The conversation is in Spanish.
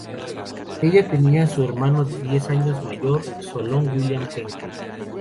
Ella tenía un hermano diez años mayor, Solon William Henkel.